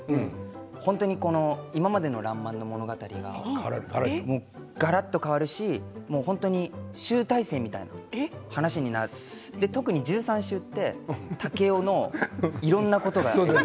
本当にこの今までの「らんまん」の物語がもうがらっと変わるしもう本当に集大成みたいな話になって特に１３週って竹雄のいろんなことが。